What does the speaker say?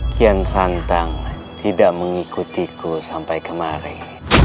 kian santang tidak mengikutiku sampai kemarin